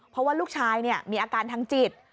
เพราะว่าลูกชายมีอาการทางจิต